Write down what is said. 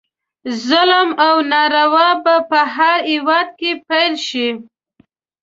ظلم او ناروا به په هر هیواد کې پیل شي.